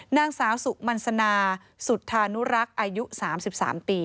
นางสาวสุมันสนาสุธานุรักษ์อายุ๓๓ปี